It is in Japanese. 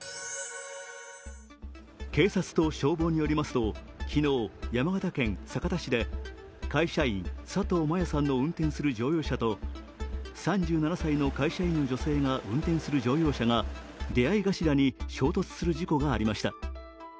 警察と消防によりますと、昨日、山形県酒田市で会社員・佐藤真耶さんの運転する乗用車と３７歳の会社員女性が運転する乗用車が出合い頭に衝突する事故がありました。